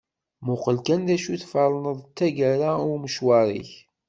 Muqel kan d acu tferneḍ d tagara i umecwar-ik.